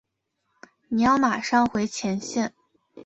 你要马上回前线。